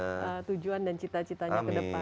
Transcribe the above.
apa tujuan dan cita citanya ke depan